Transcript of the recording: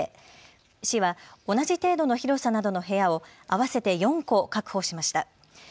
市は同じ程度の広さなどの部屋を合わせて４戸確保しました。